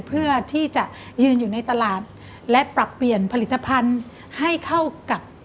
เพื่อที่จะยืนอยู่ในตลาดและปรับเปลี่ยนผลิตภัณฑ์ให้เข้ากับ